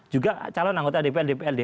juga calon anggota dpr dprd